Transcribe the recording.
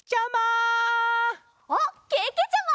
おっけけちゃま！